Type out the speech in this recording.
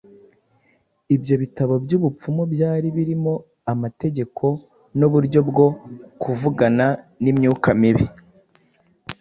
Ibyo bitabo by’ubupfumu byari birimo amategeko n’uburyo bwo kuvugana n’imyuka mibi.